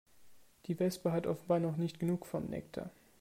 Die Wespe hat offenbar noch nicht genug vom Nektar.